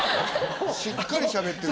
しっかりしゃべってる。